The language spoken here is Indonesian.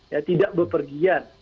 ya tidak berpergian